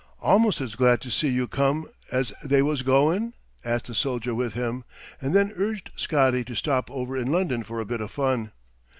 "Almost as glad to see you come as they was goin'?" asked the soldier with him, and then urged Scotty to stop over in London for a bit o' fun.